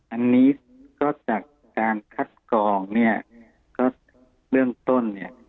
อันนี้ก็จากการคัดกรองเนี่ยก็เบื้องต้นเนี่ย